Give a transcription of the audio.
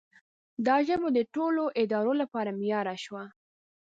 دا ژبه د ټولو ادارو لپاره معیار شوه.